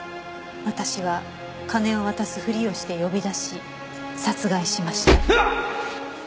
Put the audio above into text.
「私は金を渡すふりをして呼び出し殺害しました」